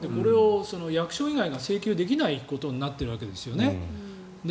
役所以外が請求できないことになっているわけですよね。